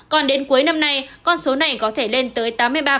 còn đến cuối năm nay con số này có thể lên tới tám mươi ba